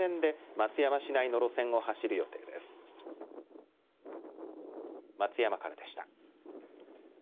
松山からでした。